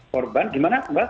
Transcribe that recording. korban gimana mbak